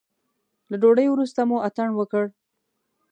له ډوډۍ وروسته مو اتڼ وکړ.